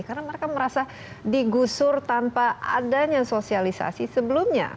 karena mereka merasa digusur tanpa adanya sosialisasi sebelumnya